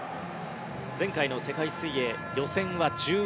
前回の世界水泳予選は１７位。